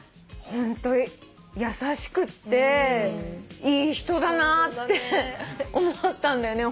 ホント優しくていい人だなって思ったんだよね。